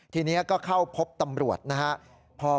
ทีนี้ก็เข้าพบตำรวจนะครับ